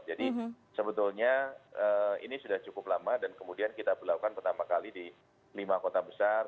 jadi sebetulnya ini sudah cukup lama dan kemudian kita berlakukan pertama kali di lima kota besar